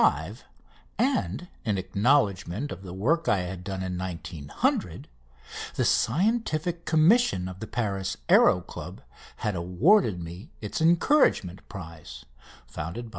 5," and in acknowledgment of the work I had done in 1900, the Scientific Commission of the Paris Aéro Club had awarded me its Encouragement prize, founded by M.